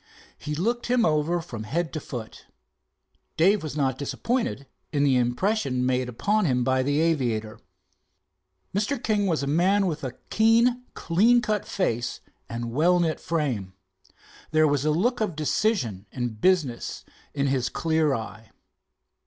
He looked him over from head to foot. Dave was not disappointed in the impression made upon him by the aviator. Mr. King was a man with a keen, clean cut face and well knit frame. There was a look of decision and business in his clear eye.